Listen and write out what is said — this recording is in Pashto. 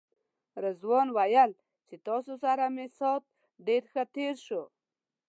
رضوان ویل چې تاسو سره مې ساعت ډېر ښه تېر شو.